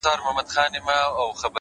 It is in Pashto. • د ژوند خوارۍ كي يك تنها پرېږدې؛